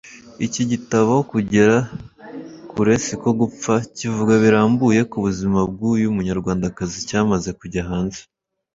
Iki gitabo ‘Kugera Kure Siko Gupfa’ kivuga birambuye ku buzima bw’uyu munyarwandakazi cyamaze kujya hanze